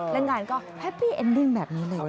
และงานก็แฮปปี้เอ็นดิ้งแบบนี้เลย